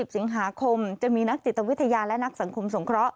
๑สิงหาคมจะมีนักจิตวิทยาและนักสังคมสงเคราะห